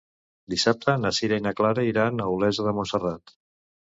Dissabte na Sira i na Clara iran a Olesa de Montserrat.